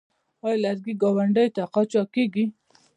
آیا لرګي ګاونډیو ته قاچاق کیږي؟